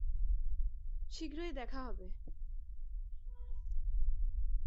শীঘ্রই দেখা হবে।